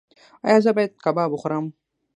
ایا زه باید کباب وخورم؟